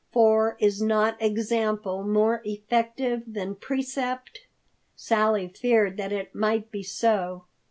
For is not example more effective than precept? Sally feared that it might be so.